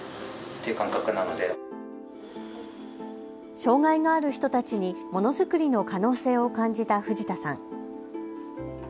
障害がある人たちにものづくりの可能性を感じた藤田さん。